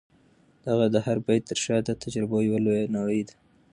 د هغه د هر بیت تر شا د تجربو یوه لویه نړۍ ده.